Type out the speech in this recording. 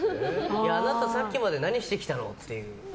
あなたさっきまで何してきたのっていう。